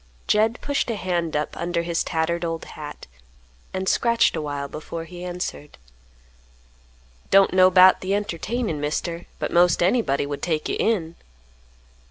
Jed pushed a hand up under his tattered old hat, and scratched awhile before he answered, "Don't know 'bout th' entertainin', Mister, but 'most anybody would take you in."